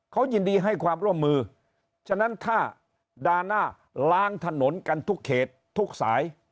เขายินดีให้ความร่วมมือฉะนั้นถ้าด่าหน้าล้างถนนกันทุกเขตทุกสาย